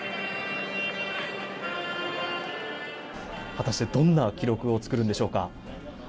果たしてどんな記録を作るんでしょうか。